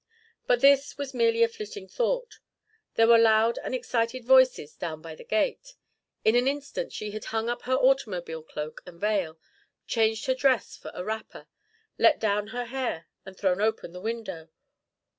But this was merely a flitting thought; there were loud and excited voices down by the gate. In an instant she had hung up her automobile cloak and veil, changed her dress for a wrapper, let down her hair and thrown open the window.